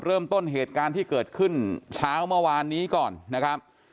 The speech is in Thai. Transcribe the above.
เริ่มต้นเหตุการณ์ที่เกิดขึ้นเช้าเมื่อวานนี้ก่อนนะครับ